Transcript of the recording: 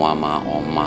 untuk pa whom ma